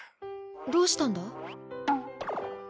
どうしたんだ？